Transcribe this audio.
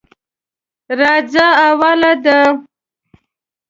راځه اوله ده.